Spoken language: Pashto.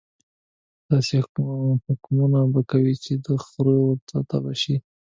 داسې حکمونه به کوي چې د خره ورته تبه شي.